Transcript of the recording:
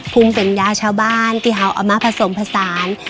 ภูมิปัญญาชาวบ้านที่เขาเอามาผสมผสาน